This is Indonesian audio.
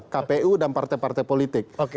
kpu dan partai partai politik